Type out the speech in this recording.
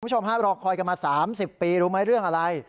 คุณผู้ชมฮะรอคอยกันมา๓๐ปีรู้ไหมเรื่องอะไร